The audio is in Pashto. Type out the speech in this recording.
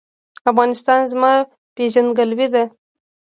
افغانستان زما پیژندګلوي ده؟